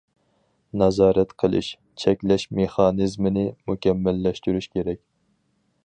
نازارەت قىلىش، چەكلەش مېخانىزمىنى مۇكەممەللەشتۈرۈش كېرەك.